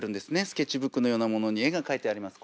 スケッチブックのようなものに絵が描いてあります。